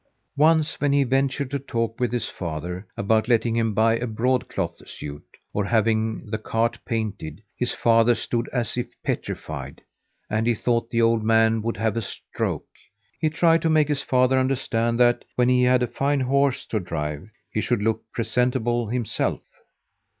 Once, when he ventured to talk with his father about letting him buy a broadcloth suit, or having the cart painted, his father stood as if petrified, and he thought the old man would have a stroke. He tried to make his father understand that, when he had a fine horse to drive, he should look presentable himself.